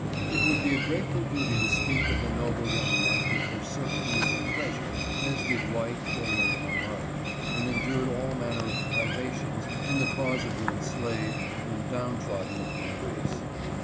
It would be a grate ful duty to speak of the noble young men who forsook ease and pleasure, as did White, Gay, and Monroe, and endured all manner of privations in the cause of the en slaved and down trodden of my race.